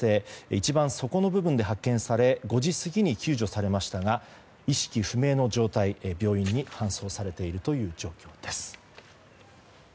一番、底の部分で発見され５時過ぎに救助されましたが意識不明の状態病院に搬送されている状況です。